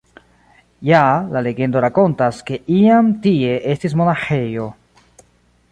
Ja, la legendo rakontas, ke iam tie estis monaĥejo.